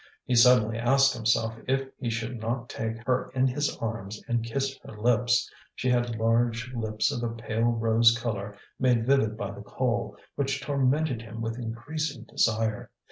He suddenly asked himself if he should not take her in his arms and kiss her lips. She had large lips of a pale rose colour, made vivid by the coal, which tormented him with increasing desire.